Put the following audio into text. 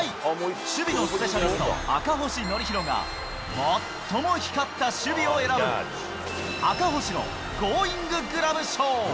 守備のスペシャリスト、赤星憲広が、最も光った守備を選ぶ、赤星のゴーインググラブ賞。